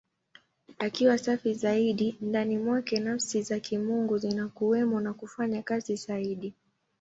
Akiwa safi zaidi, ndani mwake Nafsi za Kimungu zinakuwemo na kufanya kazi zaidi.